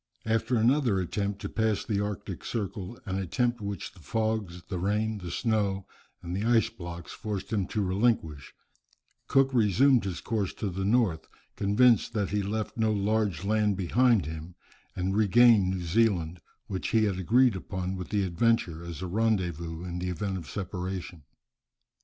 After another attempt to pass the arctic circle, an attempt, which the fogs, the rain, the snow, and the ice blocks forced him to relinquish, Cook resumed his course to the north, convinced that he left no large land behind him, and regained New Zealand, which he had agreed upon with the Adventure as a rendezvous in the event of separation.